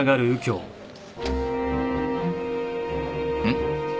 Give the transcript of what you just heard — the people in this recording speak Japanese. ん？